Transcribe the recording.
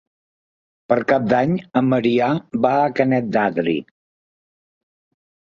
Per Cap d'Any en Maria va a Canet d'Adri.